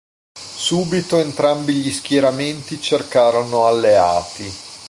Subito entrambi gli schieramenti cercarono alleati.